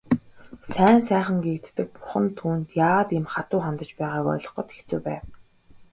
Сайн сайхан гэгддэг бурхан түүнд яагаад ийм хатуу хандаж байгааг ойлгоход хэцүү байв.